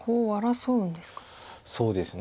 そうですね。